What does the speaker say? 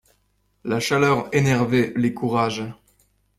La chaleur énervait les courages.